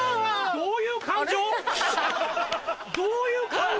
どういう感情？